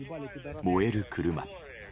燃える車。